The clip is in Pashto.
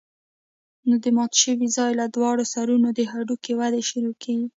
نو د مات شوي ځاى له دواړو سرونو د هډوکي وده شروع کېږي.